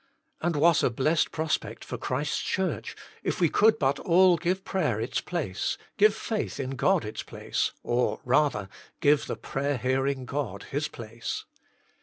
" And what a blessed prospect for Christ s Church if we could but all give prayer its place, give faith in God its place, or, rather, give the prayer hearing God His place